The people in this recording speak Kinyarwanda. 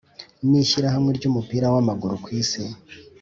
n’Ishyirahamwe ry’Umupira w’Amaguru kwisi